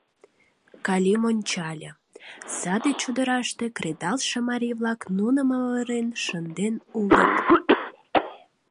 Калим ончале: саде чодыраште кредалше марий-влак нуным авырен шынден улыт.